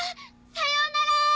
さようなら！